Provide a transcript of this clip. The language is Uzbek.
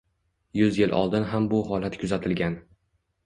Yuz yil oldin ham bu holat kuzatilgan